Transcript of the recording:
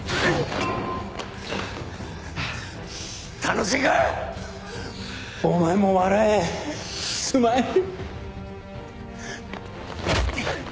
楽しいか⁉お前も笑えスマイル。